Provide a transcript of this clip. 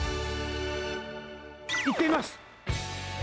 行ってみます。